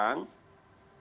kita tunggu sampai besok